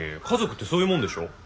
家族ってそういうもんでしょ。